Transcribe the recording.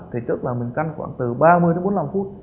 thì trước là mình căng khoảng từ ba mươi đến bốn mươi năm phút